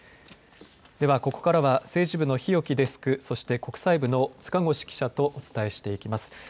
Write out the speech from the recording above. ではここからは政治部の日置デスク、そして国際部の塚越記者とお伝えしていきます。